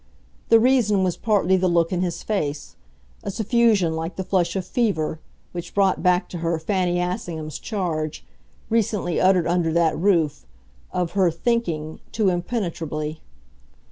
The reason was partly the look in his face a suffusion like the flush of fever, which brought back to her Fanny Assingham's charge, recently uttered under that roof, of her "thinking" too impenetrably.